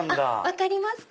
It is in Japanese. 分かりますか？